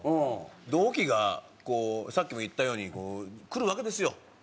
同期がこうさっきも言ったように来るわけですよ